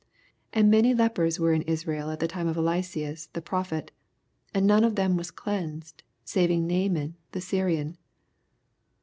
87 And many lepen were in Isnel in the time ot EUaens the prophet ; and none of them was deanaed, aaving Naaman the Syrian.